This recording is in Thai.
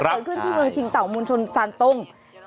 เกิดขึ้นที่เมืองชิงเต่ามวลชนซานตรง